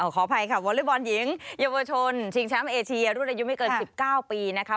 ขออภัยค่ะวอเลบอลหญิงยมวชนชิงช้ำเอเชียรุ่นอายุไม่เกินสิบเก้าปีนะคะ